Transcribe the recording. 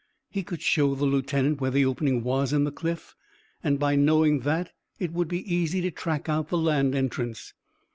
He could show the lieutenant where the opening was in the cliff, and by knowing that it would be easy to track out the land entrance.